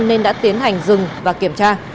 nên đã tiến hành dừng và kiểm tra